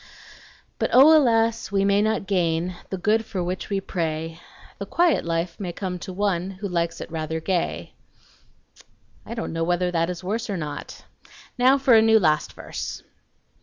But O! alas! we may not gain The good for which we pray The quiet life may come to one Who likes it rather gay, I don't know whether that is worse or not. Now for a new last verse!"